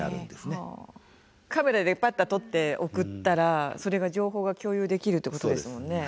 カメラでパッと撮って送ったらそれが情報が共有できるってことですもんね。